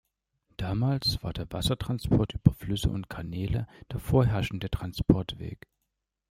Damals war der Wassertransport über Flüsse und Kanäle der vorherrschende Transportweg.